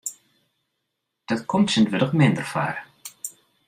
Dat komt tsjintwurdich minder foar.